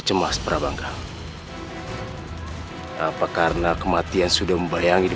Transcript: jika ini akan menambah beban pada ayah anda